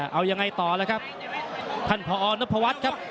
เอายังไงต่อล่ะครับท่านพอนพวัฒน์ครับ